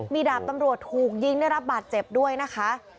มีดาบตำรวจถูกยิงได้รับบาดเจ็บด้วยนะคะ